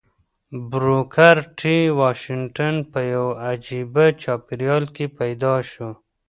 بروکر ټي واشنګټن په يوه عجيبه چاپېريال کې پيدا شو.